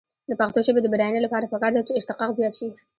د پښتو ژبې د بډاینې لپاره پکار ده چې اشتقاق زیات شي.